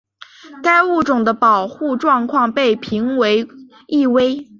该物种的保护状况被评为易危。